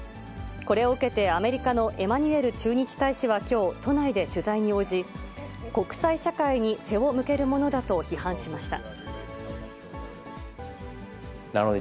これを受けてアメリカのエマニュエル駐日大使はきょう、都内で取材に応じ、国際社会に背を向けるものだと批判しました。